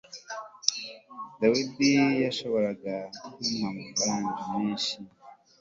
David yashoboraga kumpa amafaranga menshi